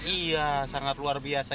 iya sangat luar biasa